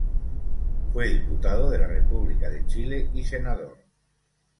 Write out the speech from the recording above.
Fue Diputado de la República de Chile y Senador.